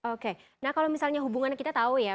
oke nah kalau misalnya hubungannya kita tahu ya